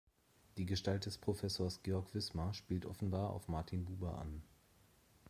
Die Gestalt des Professors Georg Wismar spielt offenbar auf Martin Buber an.